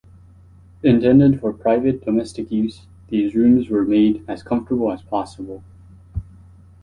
Intended for private, domestic use, these rooms were made as comfortable as possible.